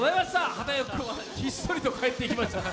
波田陽区君はひっそりと帰っていきました。